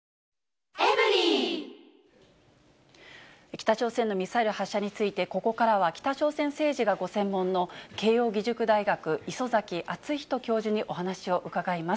北朝鮮のミサイル発射について、ここからは北朝鮮政治がご専門の、慶応義塾大学、礒崎敦仁教授にお話を伺います。